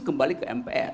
kembali ke mpr